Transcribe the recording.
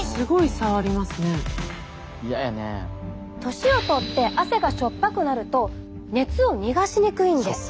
年をとって汗が塩っぱくなると熱を逃がしにくいんです。